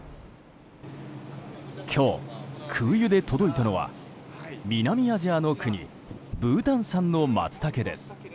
今日、空輸で届いたのは南アジアの国ブータン産のマツタケです。